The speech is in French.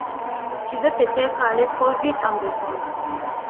Tu veux peut-être aller trop vite en besogne…